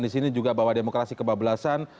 di sini juga bahwa demokrasi kebablasan